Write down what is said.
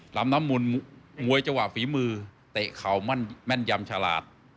ลำน้ำมุนมวยจังหวะฝีมือเตะเข่าแม่นยำฉลาด